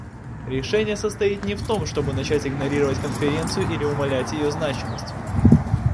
Решение состоит не в том, чтобы начать игнорировать Конференцию или умалять ее значимость.